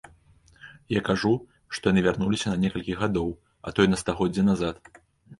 Я кажу, што яны вярнуліся на некалькі гадоў, а то і на стагоддзе назад.